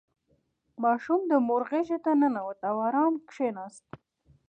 • ماشوم د مور غېږې ته ننوت او آرام کښېناست.